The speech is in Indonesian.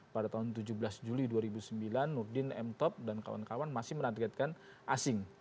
pada tahun tujuh belas juli dua ribu sembilan nurdin m top dan kawan kawan masih menargetkan asing